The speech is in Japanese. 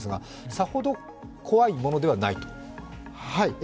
さほど怖いものではないと？